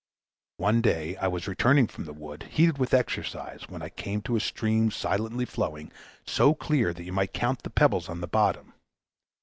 One day I was returning from the wood, heated with exercise, when I came to a stream silently flowing, so clear that you might count the pebbles on the bottom.